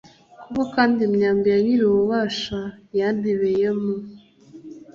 koko kandi, imyambi ya nyirububasha yantebeyemo